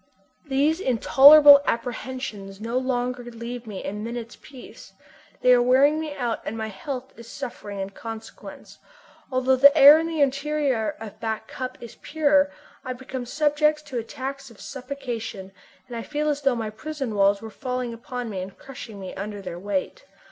These intolerable apprehensions no longer leave me a minute's peace; they are wearing me out and my health is suffering in consequence. Although the air in the interior of Back Cup is pure, I become subject to attacks of suffocation, and I feel as though my prison walls were falling upon me and crushing me under their weight.